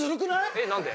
えっ何で？